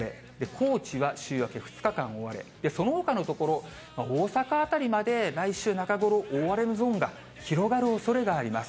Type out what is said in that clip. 高知は週明け２日間大荒れ、そのほかの所、大阪辺りまで来週中頃、大荒れのゾーンが広がるおそれがあります。